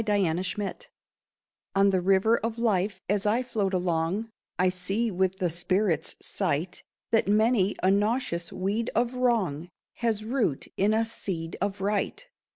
INSIGHT On the river of life, as I float along, I see with the spirit's sight That many a nauseous weed of wrong Has root in a seed of right.